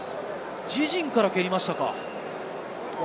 自陣から蹴りましたか。